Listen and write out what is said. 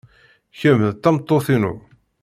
Kemm d tameṭṭut-inu.